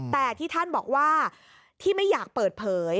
แต่ที่ท่านบอกว่าที่ไม่อยากเปิดเผย